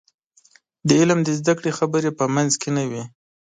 د علم د زده کړې خبرې په منځ کې نه وي.